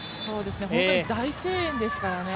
本当に大声援ですからね。